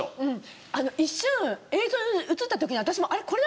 一瞬映像に映った時に私も。